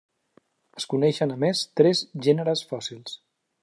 Es coneixen a més tres gèneres fòssils.